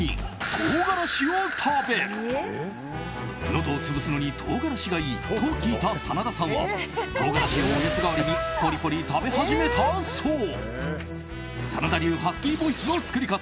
のどを潰すのにトウガラシがいいと聞いた真田さんはトウガラシをおやつ代わりにポリポリ食べ始めたそう。